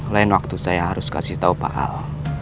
lain waktu saya harus kasih tahu pak al